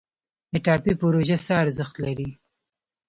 د ټاپي پروژه څه ارزښت لري؟